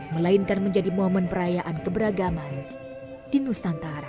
melainkan menjadi momen perayaan keberagaman di nusantara